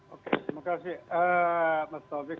oke terima kasih